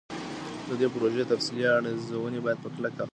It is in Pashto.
د دې پروژې تفصیلي ارزوني باید په کلکه حرکت وکړي.